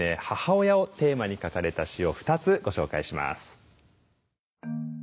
母親をテーマに書かれた詩を２つご紹介します。